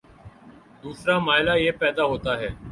دوسرا مألہ یہ پیدا ہوتا ہے